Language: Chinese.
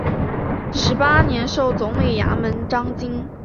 十八年授总理衙门章京。